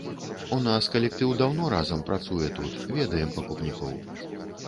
У нас калектыў даўно разам працуе тут, ведаем пакупнікоў.